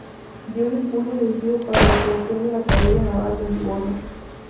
Dio un impulso decisivo para la creación de la Academia Naval de Livorno.